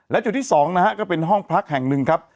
และจุดที่๒นะฮะก็เป็นห้องพักแห่งหนึ่งครับ